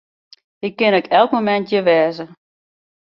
Hy kin ek elk momint hjir wêze.